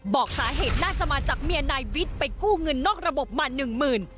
บอกสาเหตุน่าจะมาจากเมียนายวิทย์ไปกู้เงินนอกระบบมาหนึ่งหมื่น